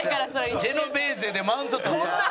ジェノベーゼでマウント取った。